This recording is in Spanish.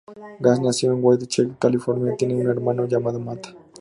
Gass nació en Walnut Creek, California, y tiene un hermano llamado Matt.